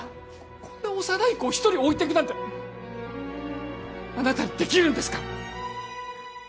こんな幼い子を一人置いてくなんてあなたにできるんですか？